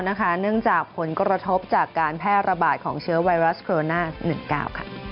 เนื่องจากผลกระทบจากการแพร่ระบาดของเชื้อไวรัสโคโรนา๑๙ค่ะ